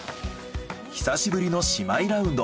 久しぶりの姉妹ラウンド。